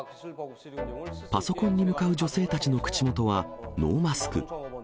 パソコンに向かう女性たちの口元はノーマスク。